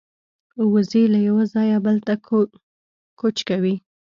وزې له یوه ځایه بل ته کوچ کوي